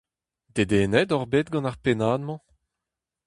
Dedennet oc'h bet gant ar pennad-mañ ?